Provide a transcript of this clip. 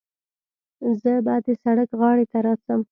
زه به د سړک غاړې ته راسم.